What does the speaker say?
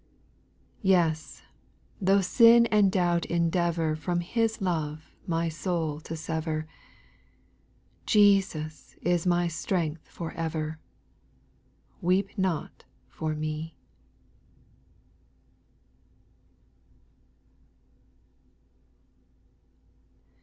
Yes 1 though sin and doubt endeayoar From His love my soul to sever, Jesus is my strength for ever ; Weep not for me.